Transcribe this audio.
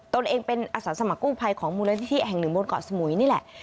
ตัวเองเป็นอาสาสมกู้ภัยของมูลนิธิแห่งหนึ่งบนเกาะสมุยนี่แหละ